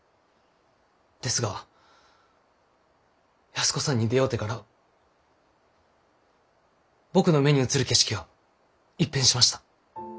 ですが安子さんに出会うてから僕の目に映る景色が一変しました。